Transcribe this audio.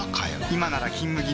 今なら「金麦」